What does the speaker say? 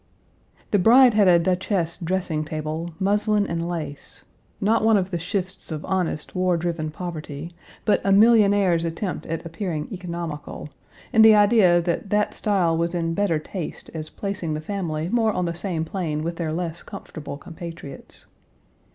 The bride had a duchesse dressing table, muslin and lace; not one of the shifts of honest, war driven poverty, Page 241 but a millionaire's attempt at appearing economical, in the idea that that style was in better taste as placing the family more on the same plane with their less comfortable compatriots.